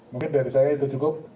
mungkin dari saya itu cukup